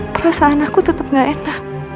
perasaan aku tetap gak enak